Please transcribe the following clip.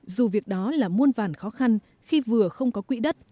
dù việc đó là muôn vàn khó khăn khi vừa không có quỹ đất